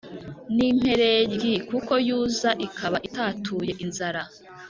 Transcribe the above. N impereryi kuko yuza ikaba itatuye inzara